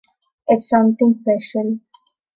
It's something special.